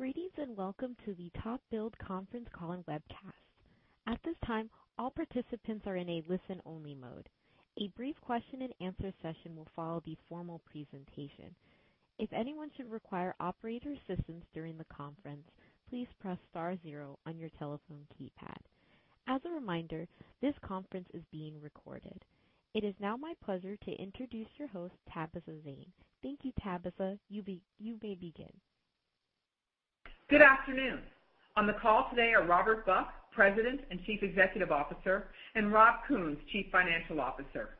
Greetings, welcome to the TopBuild conference call and webcast. At this time, all participants are in a listen-only mode. A brief question-and-answer session will follow the formal presentation. If anyone should require operator assistance during the conference, please press star zero on your telephone keypad. As a reminder, this conference is being recorded. It is now my pleasure to introduce your host, Tabitha Zane. Thank you, Tabitha. You may begin. Good afternoon! On the call today are Robert Buck, President and Chief Executive Officer, and Robert Kuhns, Chief Financial Officer.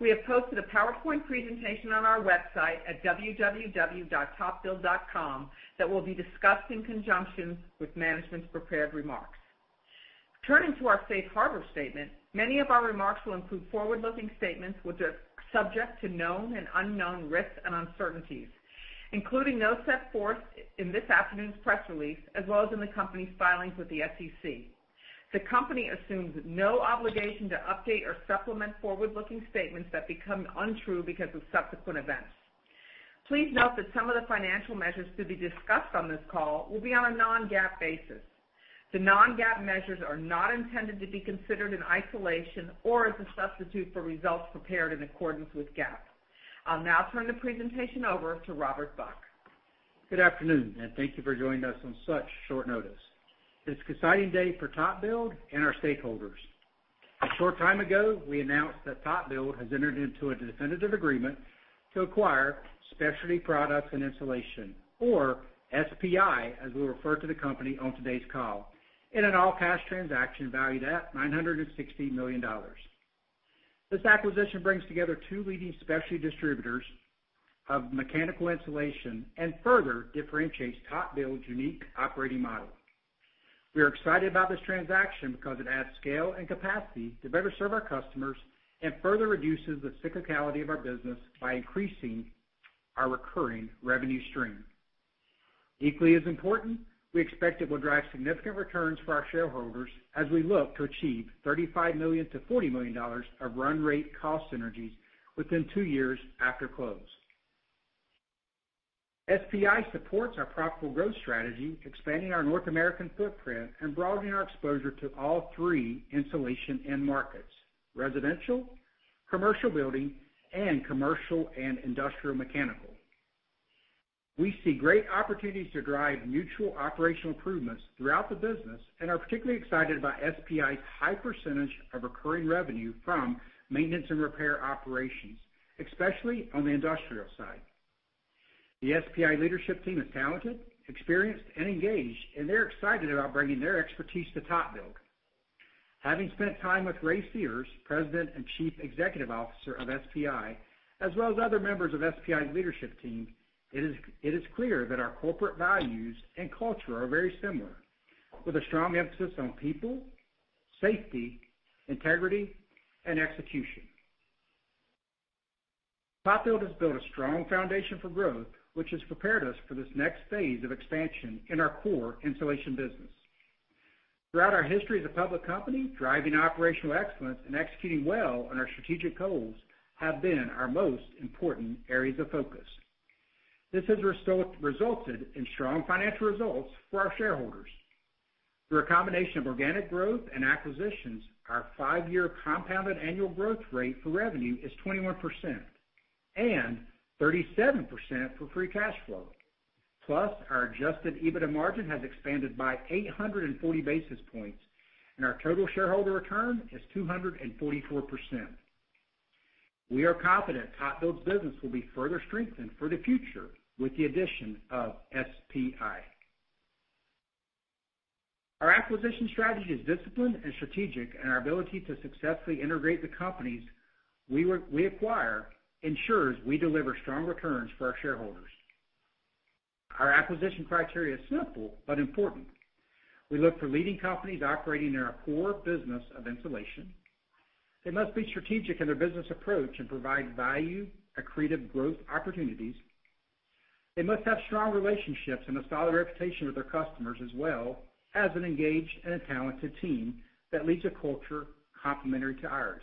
We have posted a PowerPoint presentation on our website at www.topbuild.com, that will be discussed in conjunction with management's prepared remarks. Turning to our safe harbor statement, many of our remarks will include forward-looking statements, which are subject to known and unknown risks and uncertainties, including those set forth in this afternoon's press release, as well as in the company's filings with the SEC. The company assumes no obligation to update or supplement forward-looking statements that become untrue because of subsequent events. Please note that some of the financial measures to be discussed on this call will be on a non-GAAP basis. The non-GAAP measures are not intended to be considered in isolation or as a substitute for results prepared in accordance with GAAP. I'll now turn the presentation over to Robert Buck. Good afternoon, and thank you for joining us on such short notice. It's an exciting day for TopBuild and our stakeholders. A short time ago, we announced that TopBuild has entered into a definitive agreement to acquire Specialty Products and Insulation, or SPI, as we refer to the company on today's call, in an all-cash transaction valued at $960 million. This acquisition brings together two leading specialty distributors of mechanical insulation and further differentiates TopBuild's unique operating model. We are excited about this transaction because it adds scale and capacity to better serve our customers and further reduces the cyclicality of our business by increasing our recurring revenue stream. Equally as important, we expect it will drive significant returns for our shareholders as we look to achieve $35 million-$40 million of run rate cost synergies within two years after close. SPI supports our profitable growth strategy, expanding our North American footprint and broadening our exposure to all three insulation end markets: residential, commercial building, and commercial and industrial mechanical. We see great opportunities to drive mutual operational improvements throughout the business, are particularly excited about SPI's high percentage of recurring revenue from maintenance and repair operations, especially on the industrial side. The SPI leadership team is talented, experienced, and engaged, and they're excited about bringing their expertise to TopBuild. Having spent time with Ray Sears, President and Chief Executive Officer of SPI, as well as other members of SPI's leadership team, it is, it is clear that our corporate values and culture are very similar, with a strong emphasis on people, safety, integrity, and execution. TopBuild has built a strong foundation for growth, which has prepared us for this next phase of expansion in our core insulation business. Throughout our history as a public company, driving operational excellence and executing well on our strategic goals have been our most important areas of focus. This has resulted in strong financial results for our shareholders. Through a combination of organic growth and acquisitions, our five-year compounded annual growth rate for revenue is 21%, and 37% for free cash flow. Plus, our adjusted EBITDA margin has expanded by 840 basis points, and our total shareholder return is 244%. We are confident TopBuild's business will be further strengthened for the future with the addition of SPI. Our acquisition strategy is disciplined and strategic, and our ability to successfully integrate the companies we acquire ensures we deliver strong returns for our shareholders. Our acquisition criteria is simple but important. We look for leading companies operating in our core business of insulation. They must be strategic in their business approach and provide value, accretive growth opportunities. They must have strong relationships and a solid reputation with their customers, as well as an engaged and a talented team that leads a culture complementary to ours.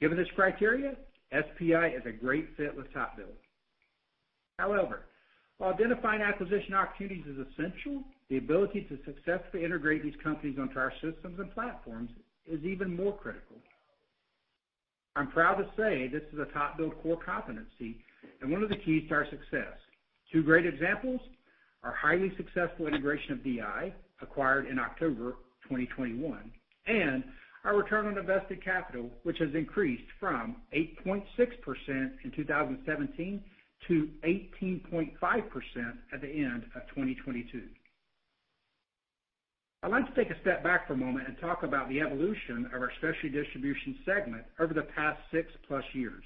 Given this criteria, SPI is a great fit with TopBuild. While identifying acquisition opportunities is essential, the ability to successfully integrate these companies onto our systems and platforms is even more critical. I'm proud to say this is a TopBuild core competency and one of the keys to our success. Two great examples, our highly successful integration of DI, acquired in October 2021, and our return on invested capital, which has increased from 8.6% in 2017 to 18.5% at the end of 2022. I'd like to take a step back for a moment and talk about the evolution of our specialty distribution segment over the past six-plus years.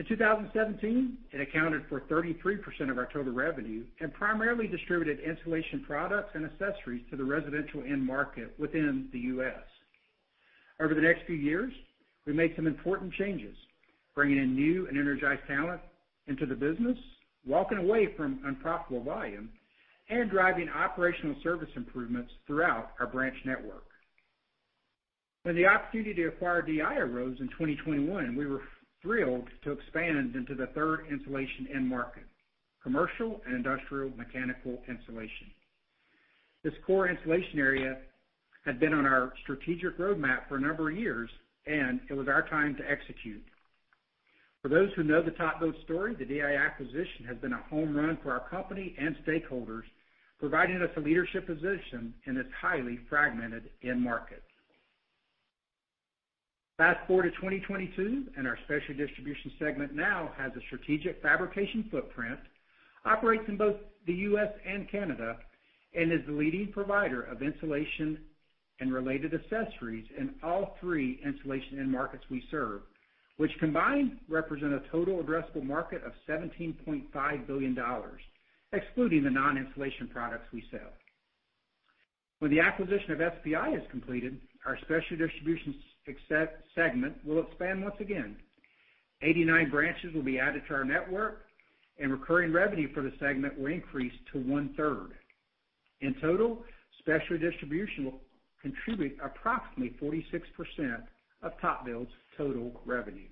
In 2017, it accounted for 33% of our total revenue and primarily distributed insulation products and accessories to the residential end market within the US. Over the next few years, we made some important changes, bringing in new and energized talent into the business, walking away from unprofitable volume, and driving operational service improvements throughout our branch network. When the opportunity to acquire DI arose in 2021, we were thrilled to expand into the third insulation end market, commercial and industrial mechanical insulation. This core insulation area had been on our strategic roadmap for a number of years, and it was our time to execute. For those who know the TopBuild story, the DI acquisition has been a home run for our company and stakeholders, providing us a leadership position in this highly fragmented end market. Fast-forward to 2022, our specialty distribution segment now has a strategic fabrication footprint, operates in both the US and Canada, and is the leading provider of insulation and related accessories in all three insulation end markets we serve, which combined, represent a total addressable market of $17.5 billion, excluding the non-insulation products we sell. When the acquisition of SPI is completed, our specialty distribution segment will expand once again. 89 branches will be added to our network, recurring revenue for the segment will increase to one-third. In total, specialty distribution will contribute approximately 46% of TopBuild's total revenue.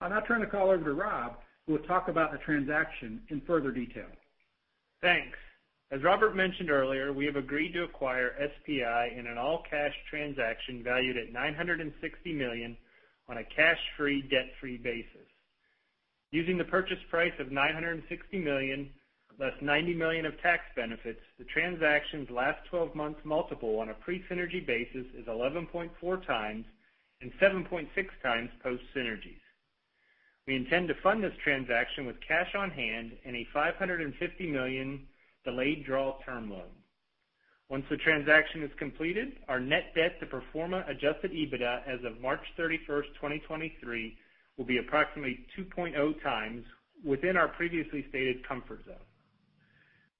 I'll now turn the call over to Rob, who will talk about the transaction in further detail. Thanks. As Robert mentioned earlier, we have agreed to acquire SPI in an all-cash transaction valued at $960 million on a cash-free, debt-free basis. Using the purchase price of $960 million, less $90 million of tax benefits, the transaction's last twelve months multiple on a pre-synergy basis is 11.4x and 7.6x post synergies. We intend to fund this transaction with cash on hand and a $550 million delayed draw term loan. Once the transaction is completed, our net debt to pro forma adjusted EBITDA as of March 31st, 2023, will be approximately 2.0x within our previously stated comfort zone.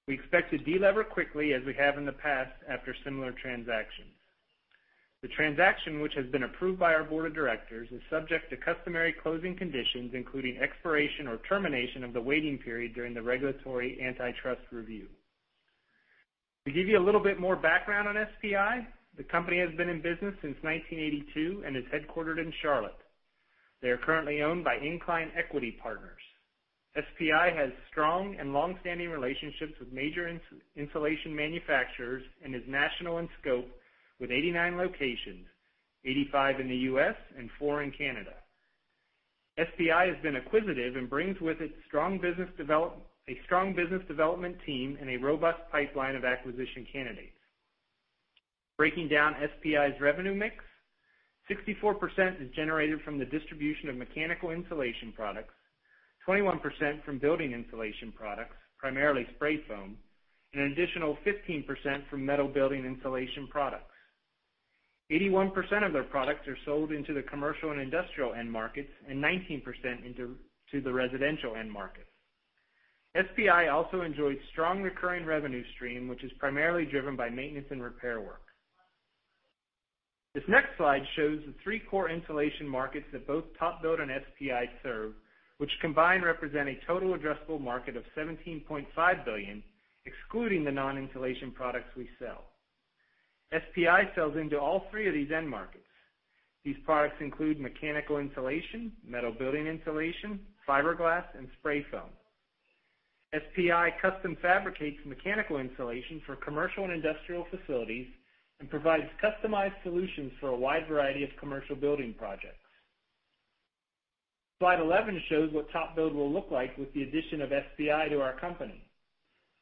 We expect to delever quickly as we have in the past, after similar transactions. The transaction, which has been approved by our board of directors, is subject to customary closing conditions, including expiration or termination of the waiting period during the regulatory antitrust review. To give you a little bit more background on SPI, the company has been in business since 1982 and is headquartered in Charlotte. They are currently owned by Incline Equity Partners. SPI has strong and long-standing relationships with major insulation manufacturers and is national in scope with 89 locations, 85 in the US and four in Canada. SPI has been acquisitive and brings with it a strong business development team and a robust pipeline of acquisition candidates. Breaking down SPI's revenue mix, 64% is generated from the distribution of mechanical insulation products, 21% from building insulation products, primarily spray foam, and an additional 15% from metal building insulation products. 81% of their products are sold into the commercial and industrial end markets and 19% into the residential end markets. SPI also enjoys strong recurring revenue stream, which is primarily driven by maintenance and repair work. This next slide shows the three core insulation markets that both TopBuild and SPI serve, which combined, represent a total addressable market of $17.5 billion, excluding the non-insulation products we sell. SPI sells into all three of these end markets. These products include mechanical insulation, metal building insulation, fiberglass, and spray foam. SPI custom fabricates mechanical insulation for commercial and industrial facilities, and provides customized solutions for a wide variety of commercial building projects. Slide 11 shows what TopBuild will look like with the addition of SPI to our company.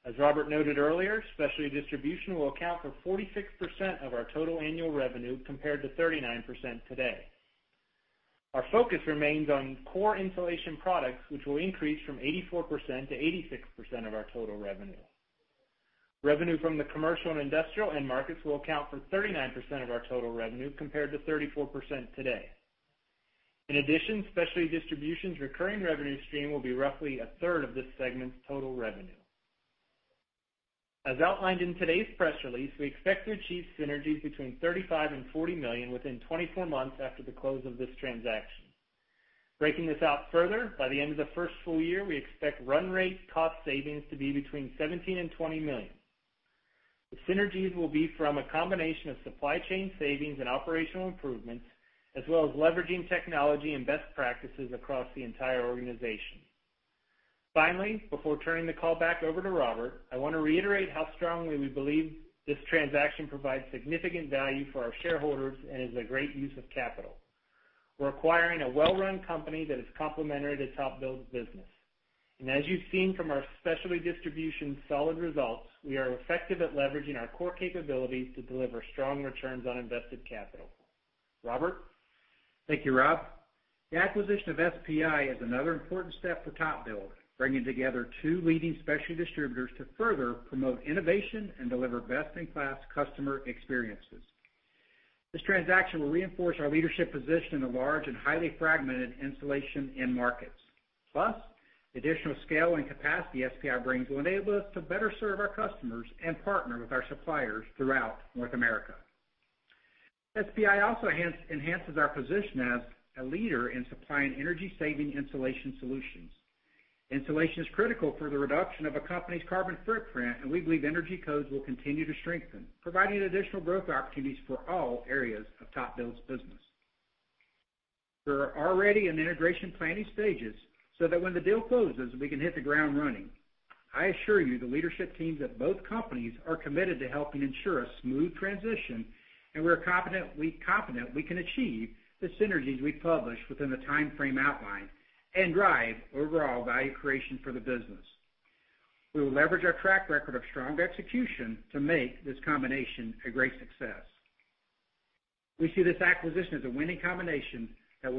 As Robert noted earlier, specialty distribution will account for 46% of our total annual revenue, compared to 39% today. Our focus remains on core insulation products, which will increase from 84% to 86% of our total revenue. Revenue from the commercial and industrial end markets will account for 39% of our total revenue, compared to 34% today. In addition, specialty distribution's recurring revenue stream will be roughly 1/3 of this segment's total revenue. As outlined in today's press release, we expect to achieve synergies between $35 million and $40 million within 24 months after the close of this transaction. Breaking this out further, by the end of the 1st full year, we expect run rate cost savings to be between $17 million and $20 million. The synergies will be from a combination of supply chain savings and operational improvements, as well as leveraging technology and best practices across the entire organization. Finally, before turning the call back over to Robert, I want to reiterate how strongly we believe this transaction provides significant value for our shareholders and is a great use of capital. We're acquiring a well-run company that is complementary to TopBuild's business. As you've seen from our specialty distribution solid results, we are effective at leveraging our core capabilities to deliver strong returns on invested capital. Robert? Thank you, Rob. The acquisition of SPI is another important step for TopBuild, bringing together two leading specialty distributors to further promote innovation and deliver best-in-class customer experiences. This transaction will reinforce our leadership position in the large and highly fragmented insulation end markets. The additional scale and capacity SPI brings will enable us to better serve our customers and partner with our suppliers throughout North America. SPI also enhances our position as a leader in supplying energy-saving insulation solutions. Insulation is critical for the reduction of a company's carbon footprint. We believe energy codes will continue to strengthen, providing additional growth opportunities for all areas of TopBuild's business. We are already in integration planning stages so that when the deal closes, we can hit the ground running. I assure you, the leadership teams at both companies are committed to helping ensure a smooth transition. We're confident we can achieve the synergies we published within the time frame outlined and drive overall value creation for the business. We will leverage our track record of strong execution to make this combination a great success. We see this acquisition as a winning combination that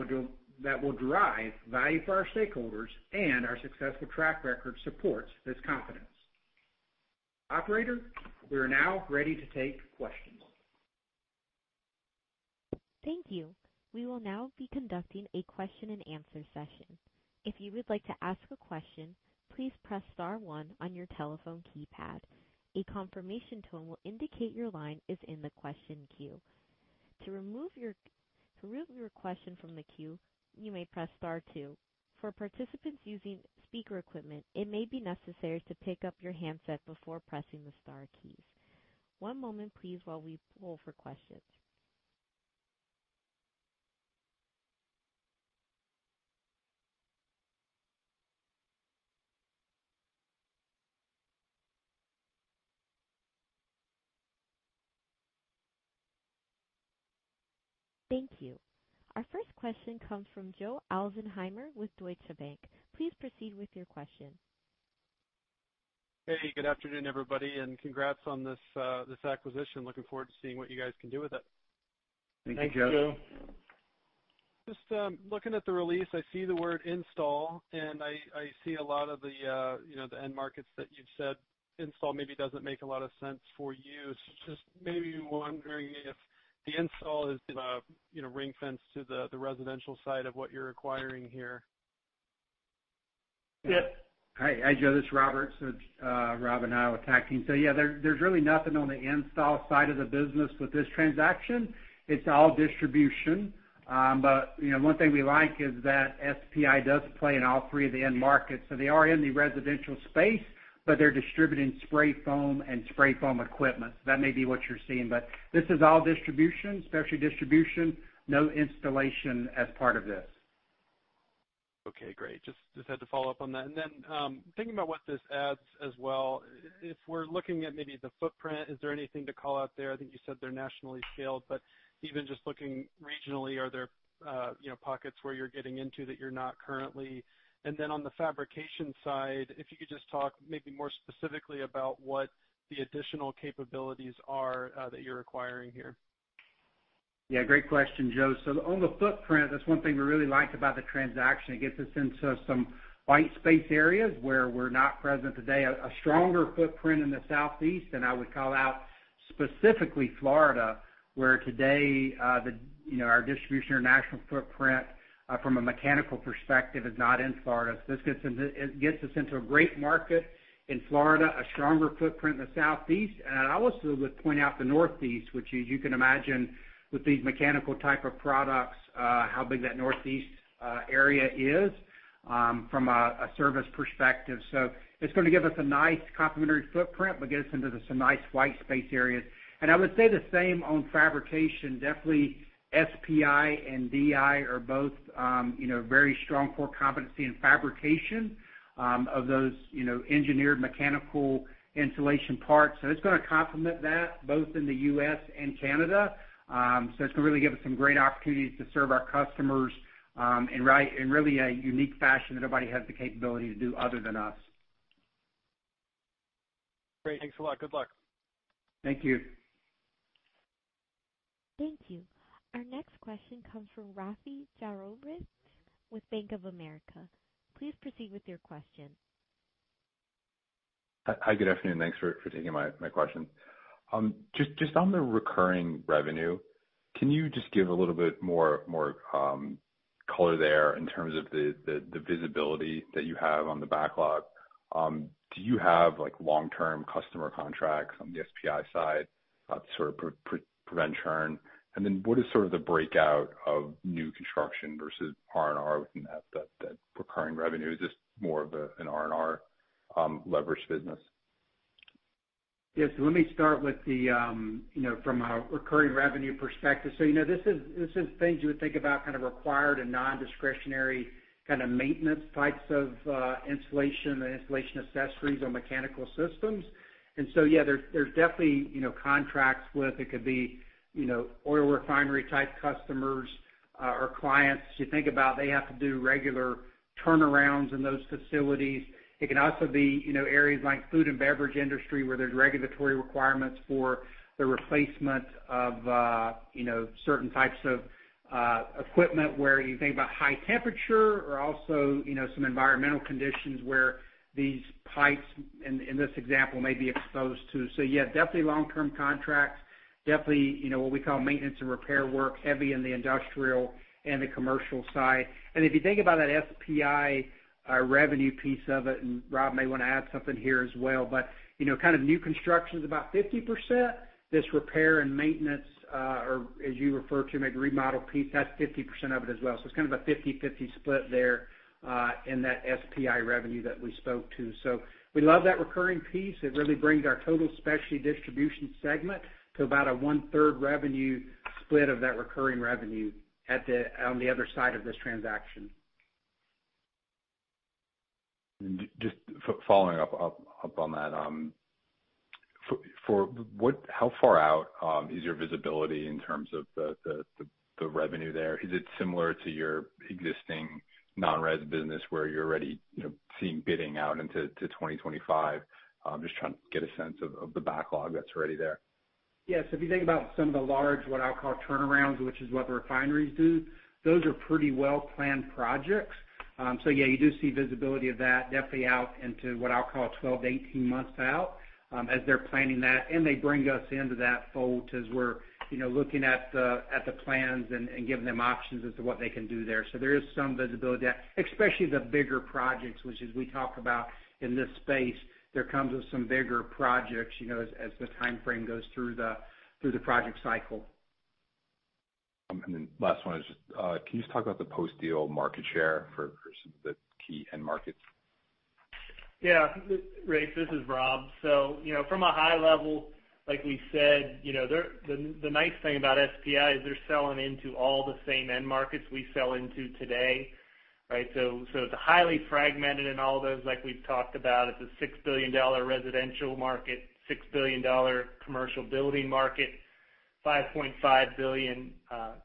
will drive value for our stakeholders. Our successful track record supports this confidence. Operator, we are now ready to take questions. Thank you. We will now be conducting a question-and-answer session. If you would like to ask a question, please press star one on your telephone keypad. A confirmation tone will indicate your line is in the question queue. To remove your question from the queue, you may press star two. For participants using speaker equipment, it may be necessary to pick up your handset before pressing the star keys. One moment, please, while we poll for questions. Thank you. Our first question comes from Joe Ahlersmeyer with Deutsche Bank. Please proceed with your question. Hey, good afternoon, everybody, and congrats on this, this acquisition. Looking forward to seeing what you guys can do with it. Thank you, Joe. Just looking at the release, I see the word install, and I see a lot of the, you know, the end markets that you've said install maybe doesn't make a lot of sense for you. Just maybe wondering if the install is, you know, ring-fenced to the, the residential side of what you're acquiring here. Yes. Hi. Joe. This is Robert. Rob and I will tag team. Yeah, there, there's really nothing on the install side of the business with this transaction. It's all distribution. But, you know, one thing we like is that SPI does play in all three of the end markets, so they are in the residential space, but they're distributing spray foam and spray foam equipment. That may be what you're seeing, but this is all distribution, specialty distribution, no installation as part of this. Okay, great. Just, just had to follow up on that. Thinking about what this adds as well, if we're looking at maybe the footprint, is there anything to call out there? I think you said they're nationally scaled, but even just looking regionally, are there, you know, pockets where you're getting into that you're not currently? On the fabrication side, if you could just talk maybe more specifically about what the additional capabilities are that you're acquiring here? Yeah, great question, Joe. On the footprint, that's one thing we really like about the transaction. It gets us into some white space areas where we're not present today. A stronger footprint in the Southeast, and I would call out specifically Florida, where today, the, you know, our distribution or national footprint, from a mechanical perspective, is not in Florida. It gets us into a great market in Florida, a stronger footprint in the Southeast. I also would point out the Northeast, which you, you can imagine with these mechanical type of products, how big that Northeast area is, from a service perspective. It's going to give us a nice complementary footprint, but get us into some nice white space areas. I would say the same on fabrication. Definitely, SPI and DI are both, you know, very strong core competency in fabrication, of those, you know, engineered mechanical insulation parts. It's going to complement that both in the US and Canada. It's going to really give us some great opportunities to serve our customers, in really a unique fashion that nobody has the capability to do other than us. Great. Thanks a lot. Good luck. Thank you. Thank you. Our next question comes from Rafe Jadrosich with Bank of America. Please proceed with your question. Hi, good afternoon. Thanks for, for taking my, my question. Just, just on the recurring revenue, can you just give a little bit more, more color there in terms of the, the, the visibility that you have on the backlog? Do you have, like, long-term customer contracts on the SPI side to sort of pre- pre- prevent churn? Then what is sort of the breakout of new construction versus RNR within that, that, that recurring revenue? Is this more of a, an RNR leverage business? Yes. Let me start with the, you know, from a recurring revenue perspective. You know, this is, this is things you would think about kind of required and nondiscretionary, kind of maintenance types of insulation and insulation accessories on mechanical systems. Yeah, there's, there's definitely, you know, contracts with it. It could be, you know, oil refinery-type customers, or clients. You think about they have to do regular turnarounds in those facilities. It can also be, you know, areas like food and beverage industry, where there's regulatory requirements for the replacement of, you know, certain types of equipment, where you think about high temperature or also, you know, some environmental conditions where these pipes, in, in this example, may be exposed to. Yeah, definitely long-term contracts, definitely, you know, what we call maintenance and repair work, heavy in the industrial and the commercial side. If you think about that SPI revenue piece of it, and Rob may want to add something here as well, but, you know, kind of new construction is about 50%. This repair and maintenance, or as you refer to, maybe remodel piece, that's 50% of it as well. It's kind of a 50/50 split there in that SPI revenue that we spoke to. We love that recurring piece. It really brings our total specialty distribution segment to about a 1/3 revenue split of that recurring revenue on the other side of this transaction. Just following up on that, for what, how far out, is your visibility in terms of the revenue there? Is it similar to your existing non-res business where you're already, you know, seeing bidding out into 2025? Just trying to get a sense of the backlog that's already there. Yes, if you think about some of the large, what I'll call turnarounds, which is what the refineries do, those are pretty well-planned projects. Yeah, you do see visibility of that definitely out into what I'll call 12 months-18 months out, as they're planning that, and they bring us into that fold as we're, you know, looking at the, at the plans and, and giving them options as to what they can do there. There is some visibility, especially the bigger projects, which as we talk about in this space, there comes with some bigger projects, you know, as, as the timeframe goes through the, through the project cycle. Last one is just, can you just talk about the post-deal market share for, for some of the key end markets? Rafe, this is Rob. You know, from a high level, like we said, you know, the nice thing about SPI is they're selling into all the same end markets we sell into today, right? It's highly fragmented in all those, like we've talked about. It's a $6 billion residential market, $6 billion commercial building market, $5.5 billion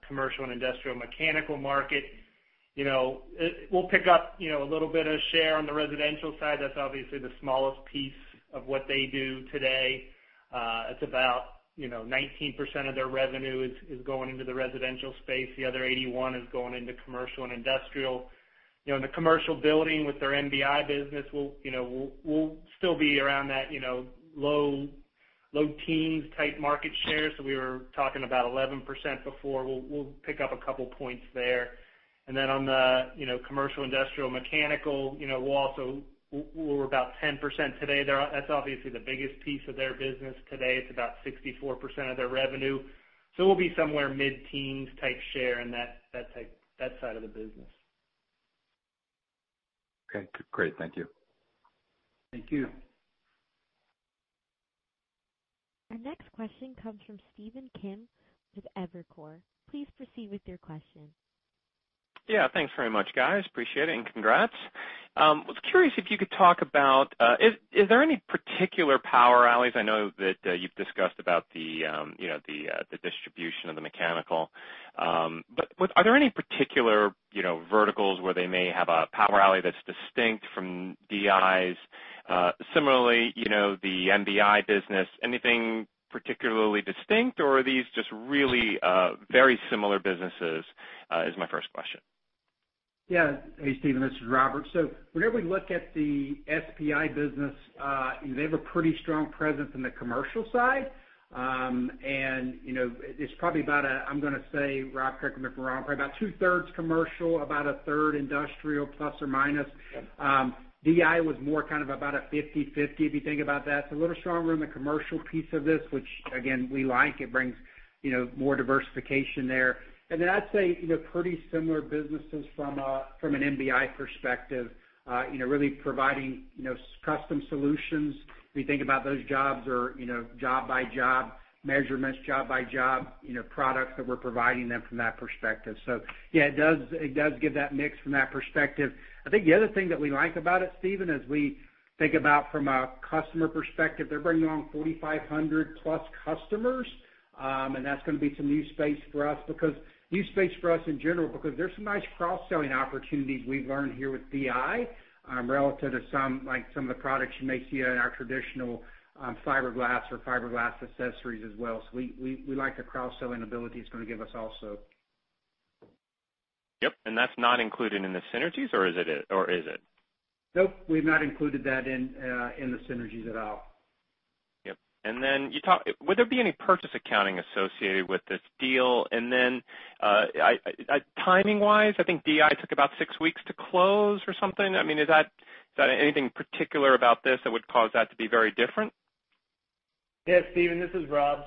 commercial and industrial mechanical market. You know, we'll pick up, you know, a little bit of share on the residential side. That's obviously the smallest piece of what they do today. It's about, you know, 19% of their revenue is, is going into the residential space. The other 81% is going into commercial and industrial. You know, in the commercial building with their MBI business, we'll, you know, we'll still be around that, you know, low, low teens type market share. We were talking about 11% before. We'll pick up two points there. Then on the, you know, commercial, industrial, Mechanical, you know, we're about 10% today. That's obviously the biggest piece of their business today. It's about 64% of their revenue. We'll be somewhere mid-teens type share in that side of the business. Okay, great. Thank you. Thank you. Our next question comes from Stephen Kim with Evercore. Please proceed with your question. Yeah, thanks very much, guys. Appreciate it, and congrats. Was curious if you could talk about, is, is there any particular power alleys? I know that, you've discussed about the, you know, the, the distribution of the mechanical. Are there any particular, you know, verticals where they may have a power alley that's distinct from DIs? Similarly, you know, the MBI business, anything particularly distinct, or are these just really, very similar businesses, is my first question? Yeah. Hey, Stephen, this is Robert. Whenever we look at the SPI business, they have a pretty strong presence in the commercial side. And, you know, it's probably about, I'm gonna say, Rob, correct me if I'm wrong, about 2/3 commercial, about 1/3 industrial, plus or minus. DI was more kind of about a 50/50, if you think about that. It's a little stronger in the commercial piece of this, which again, we like. It brings, you know, more diversification there. Then I'd say, you know, pretty similar businesses from a, from an MBI perspective, you know, really providing, you know, custom solutions. We think about those jobs are, you know, job by job, measurements, job by job, you know, products that we're providing them from that perspective. Yeah, it does, it does give that mix from that perspective. I think the other thing that we like about it, Stephen, as we think about from a customer perspective, they're bringing on 4,500+ customers, and that's gonna be some new space for us because, new space for us in general, because there's some nice cross-selling opportunities we've learned here with DI, relative to some, like, some of the products you may see in our traditional fiberglass or fiberglass accessories as well. We, we, we like the cross-selling ability it's gonna give us also. Yep, that's not included in the synergies or is it, or is it? Nope, we've not included that in, in the synergies at all. Yep. Then you talked-- Would there be any purchase accounting associated with this deal? Then, I, I, timing-wise, I think DI took about six weeks to close or something. I mean, is that, is that anything particular about this that would cause that to be very different? Yes, Stephen, this is Rob.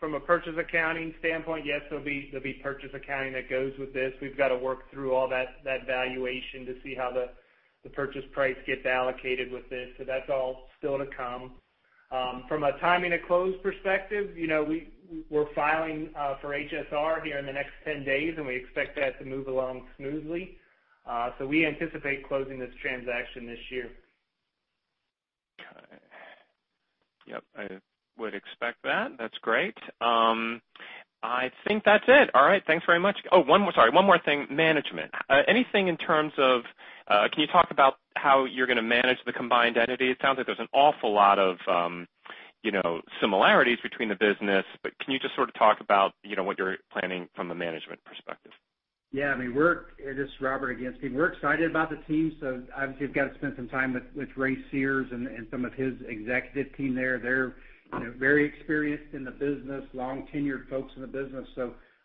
From a purchase accounting standpoint, yes, there'll be purchase accounting that goes with this. We've got to work through all that valuation to see how the purchase price gets allocated with this. That's all still to come. From a timing to close perspective, you know, we're filing for HSR here in the next 10 days, and we expect that to move along smoothly. We anticipate closing this transaction this year. Okay. Yep, I would expect that. That's great. I think that's it. All right. Thanks very much. Oh, one more, sorry, one more thing. Management. Anything in terms of, can you talk about how you're gonna manage the combined entity? It sounds like there's an awful lot of, you know, similarities between the business, but can you just sort of talk about, you know, what you're planning from a management perspective? Yeah, I mean, we're, it is Robert again, Stephen. We're excited about the team. Obviously, you've got to spend some time with Ray Sears and some of his executive team there. They're, you know, very experienced in the business, long-tenured folks in the business.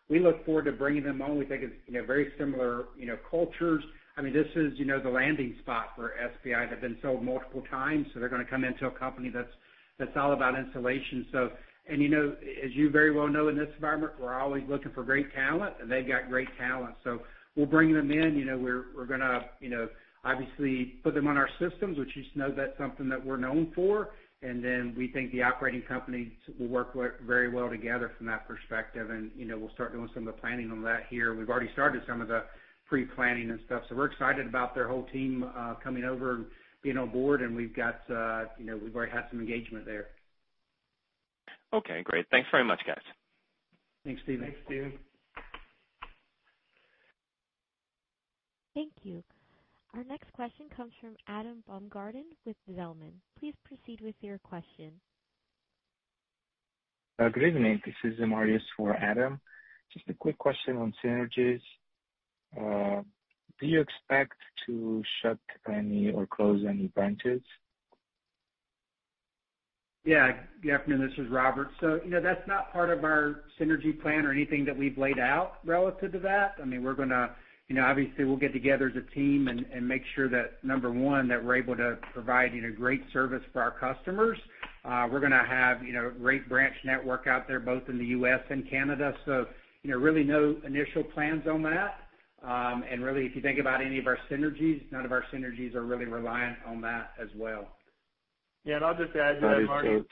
We look forward to bringing them on. We think it's, you know, very similar, you know, cultures. I mean, this is, you know, the landing spot for SPI. They've been sold multiple times. They're gonna come into a company that's all about insulation. You know, as you very well know, in this environment, we're always looking for great talent, and they've got great talent. We'll bring them in. You know, we're, we're gonna, you know, obviously put them on our systems, which you just know that's something that we're known for. We think the operating companies will work very well together from that perspective, and, you know, we'll start doing some of the planning on that here. We've already started some of the pre-planning and stuff. We're excited about their whole team, coming over and being on board, and we've got, you know, we've already had some engagement there. Okay, great. Thanks very much, guys. Thanks, Stephen. Thanks, Stephen. Thank you. Our next question comes from Adam Baumgarten with Zelman. Please proceed with your question. Good evening, this is Marius for Adam. Just a quick question on synergies. Do you expect to shut any or close any branches? Yeah. Good afternoon, this is Robert. You know, that's not part of our synergy plan or anything that we've laid out relative to that. I mean, we're gonna, you know, obviously, we'll get together as a team and, and make sure that, number one, that we're able to provide, you know, great service for our customers. We're gonna have, you know, great branch network out there, both in the US and Canada. You know, really no initial plans on that. Really, if you think about any of our synergies, none of our synergies are really reliant on that as well. I'll just add to that, Marius.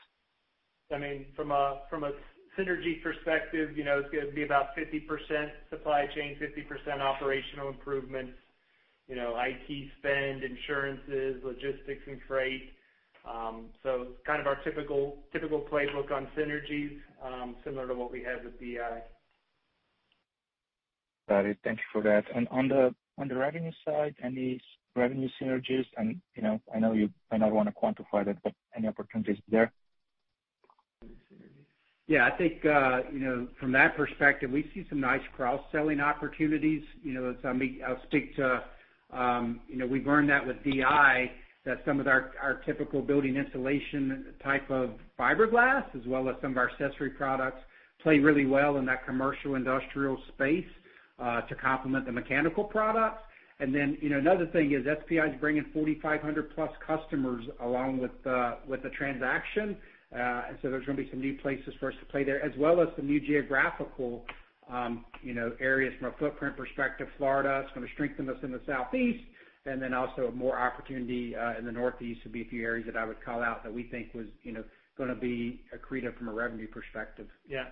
I mean, from a synergy perspective, you know, it's gonna be about 50% supply chain, 50% operational improvements, you know, IT spend, insurances, logistics, and freight. Kind of our typical, typical playbook on synergies, similar to what we had with DI. Got it. Thank you for that. On the, on the revenue side, any revenue synergies? You know, I know you might not wanna quantify that, but any opportunities there? Yeah, I think, you know, from that perspective, we see some nice cross-selling opportunities. You know, as I me- I'll speak to, you know, we've learned that with DI, that some of our, our typical building insulation type of fiberglass, as well as some of our accessory products, play really well in that commercial industrial space, to complement the mechanical products. Then, you know, another thing is, SPI is bringing 4,500+ customers along with the, with the transaction. So there's gonna be some new places for us to play there, as well as some new geographical, you know, areas from a footprint perspective. Florida is gonna strengthen us in the Southeast, and then also more opportunity, in the Northeast, would be a few areas that I would call out that we think was, you know, gonna be accretive from a revenue perspective. Yeah.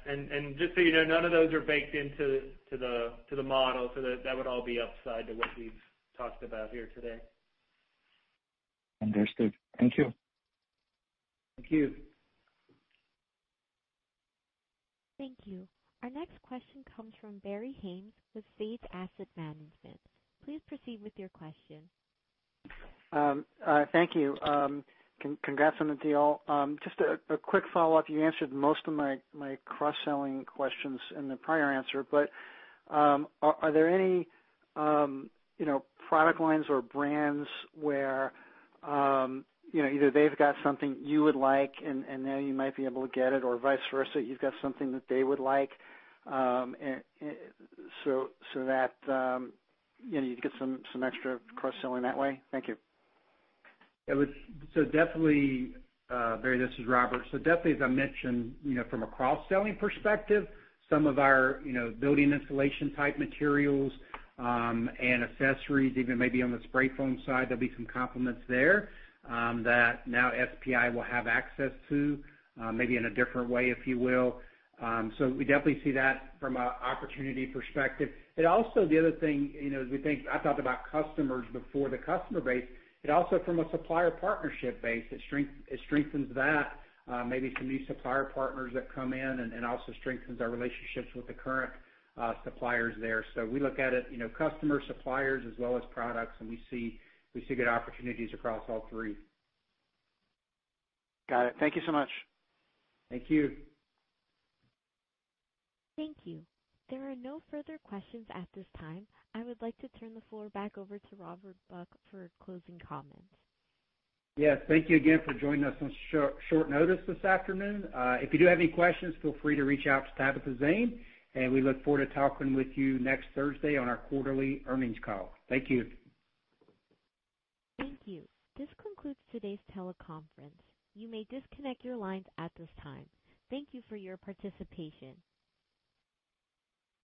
Just so you know, none of those are baked into the model. That would all be upside to what we've talked about here today. Understood. Thank you. Thank you. Thank you. Our next question comes from Barry Haines with Sage Asset Management. Please proceed with your question. Thank you. Congrats on the deal. Just a quick follow-up. You answered most of my, my cross-selling questions in the prior answer, but are there any, you know, product lines or brands where, you know, either they've got something you would like, and now you might be able to get it, or vice versa, you've got something that they would like, so that, you know, you'd get some, some extra cross-selling that way? Thank you. Definitely, Barry, this is Robert. Definitely, as I mentioned, you know, from a cross-selling perspective, some of our, you know, building insulation type materials, and accessories, even maybe on the spray foam side, there'll be some complements there, that now SPI will have access to, maybe in a different way, if you will. We definitely see that from a opportunity perspective. Also the other thing, you know, as we think I talked about customers before, the customer base, but also from a supplier partnership base, it strengthens that, maybe some new supplier partners that come in and also strengthens our relationships with the current suppliers there. We look at it, you know, customer, suppliers, as well as products, and we see, we see good opportunities across all three. Got it. Thank you so much. Thank you. Thank you. There are no further questions at this time. I would like to turn the floor back over to Robert Buck for closing comments. Yes, thank you again for joining us on short, short notice this afternoon. If you do have any questions, feel free to reach out to Tabitha Zane, and we look forward to talking with you next Thursday on our quarterly earnings call. Thank you. Thank you. This concludes today's teleconference. You may disconnect your lines at this time. Thank you for your participation.